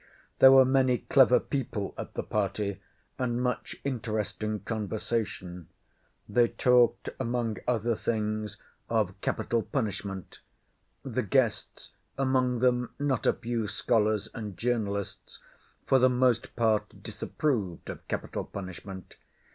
There were many clever people at the party and much interesting conversation. They talked among other things of capital punishment. The guests, among them not a few scholars and journalists, for the most part disapproved of capital punishment.